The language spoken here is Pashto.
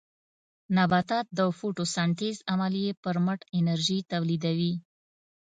نباتات د فوټوسنټیز عملیې پرمټ انرژي تولیدوي.